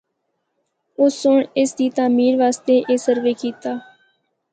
اُس سنڑ اس دی تعمیر واسطے اے سروے کیتا۔